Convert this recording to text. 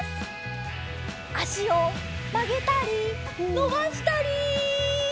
あしをまげたりのばしたり！